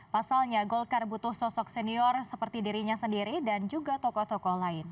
pasalnya golkar butuh sosok senior seperti dirinya sendiri dan juga tokoh tokoh lain